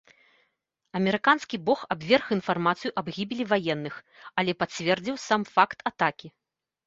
Амерыканскі бок абверг інфармацыю аб гібелі ваенных, але пацвердзіў сам факт атакі.